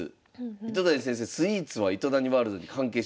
糸谷先生「スイーツ」は「糸谷ワールド」に関係してるんでしょうか？